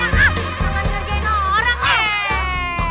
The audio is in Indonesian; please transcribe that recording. jangan ngerjain orang eh